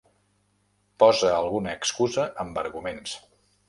Posa alguna excusa amb arguments.